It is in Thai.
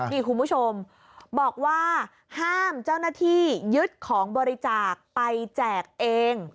นี่คุณผู้ชมบอกว่าห้ามเจ้าหน้าที่ยึดของบริจาคไปแจกเอง